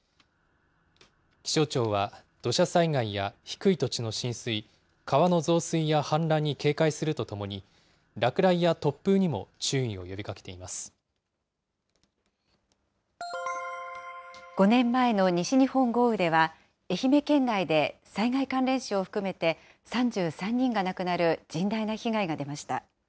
気象庁は、土砂災害や低い土地の浸水、川の増水や氾濫に警戒するとともに、落雷や突風にも注意を呼びか５年前の西日本豪雨では、愛媛県内で災害関連死を含めて３３人が亡くなる甚大な被害が出ました。